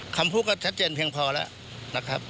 คำพูกอันทรัพย์เพียงพอแล้ว